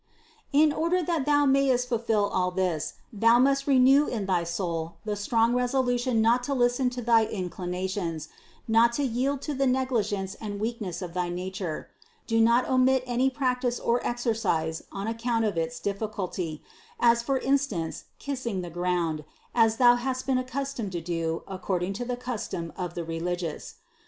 480. In order that thou mayest fulfill all this, thou must renew in thy soul the strong resolution not to listen to thy inclinations, not to yield to the negligence and weakness of thy nature ; do not omit any practice or ex ercise on account of its difficulty, as for instance kissing the ground, as thou has been accustomed to do according to the custom of the religious.